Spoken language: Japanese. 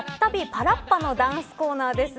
パラッパ！のダンスコーナーです。